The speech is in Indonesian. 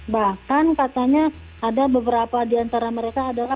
bahkan katanya ada beberapa diantara mereka adalah